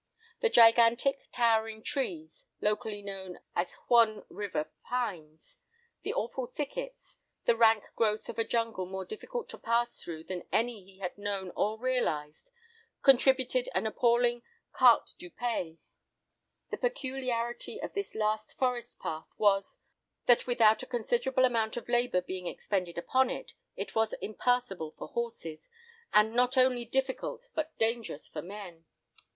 The gigantic, towering trees, (locally known as Huon River pines), the awful thickets, the rank growth of a jungle more difficult to pass through, than any he had known or realised, contributed an appalling carte du pays. The peculiarity of this last forest path was, that without a considerable amount of labour being expended upon it, it was impassable for horses, and not only difficult but dangerous for men.